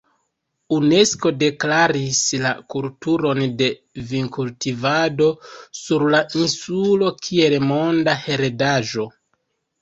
Unesko deklaris la kulturon de vinkultivado sur la insulo kiel monda heredaĵo.